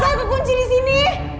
aku kunci di sini